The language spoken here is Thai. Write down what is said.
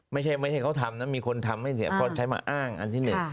ไม่ใช่เขาทำมีคนทำให้เสียหายเขาใช้มาอ้างอันที่เหลือ